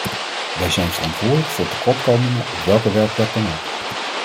Wij zijn verantwoordelijk voor tekortkomingen op welke werkplek dan ook.